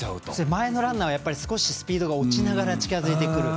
前のランナーがスピードを落ちながら近づいてくる。